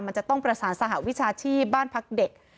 มันจะต้องประสานสหวิชาชีพบ้านพักเด็ก